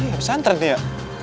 kesantren nih ya